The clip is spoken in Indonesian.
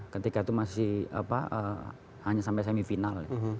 ketika itu masih hanya sampai semifinal